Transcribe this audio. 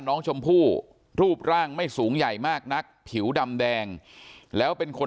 น้องชมพู่รูปร่างไม่สูงใหญ่มากนักผิวดำแดงแล้วเป็นคน